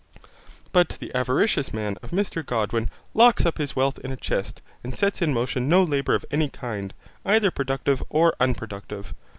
But the avaricious man of Mr Godwin locks up his wealth in a chest and sets in motion no labour of any kind, either productive or unproductive.